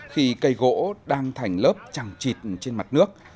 khi cây gỗ đang thành lớp trăng trịt trên mặt nước